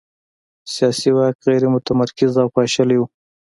سیاسي واک غیر متمرکز او پاشلی و.